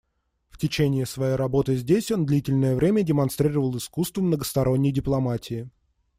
В течение своей работы здесь он длительное время демонстрировал искусство многосторонней дипломатии.